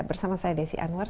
bersama saya desi anwar